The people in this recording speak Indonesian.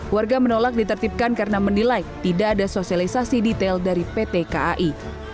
warga menolak ditertibkan karena menilai tidak ada sosialisasi detail dari pt kai